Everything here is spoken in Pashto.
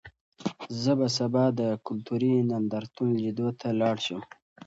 زه به سبا د کلتوري نندارتون لیدو ته لاړ شم.